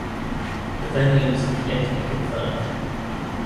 The venues are yet to be confirmed.